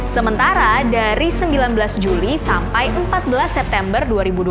sementara dari sembilan belas juli sampai empat belas september dua ribu dua puluh